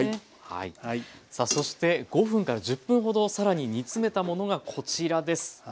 さあそして５分から１０分ほど更に煮詰めたものがこちらです。